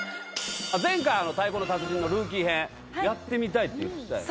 前回太鼓の達人のルーキー編やってみたいって言ってたよね